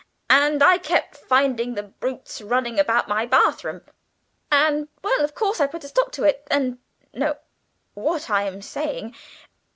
And I kept finding the brutes running about my bath room, and well, of course, I put a stop to it; and no, what am I saying?